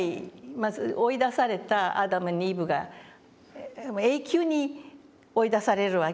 まず追い出されたアダムにイブが永久に追い出されるわけじゃないですか。